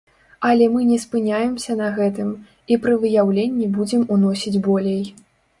Але мы не спыняемся на гэтым, і пры выяўленні будзем уносіць болей.